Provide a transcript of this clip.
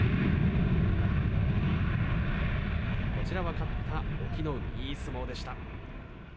勝った、隠岐の海いい相撲でした。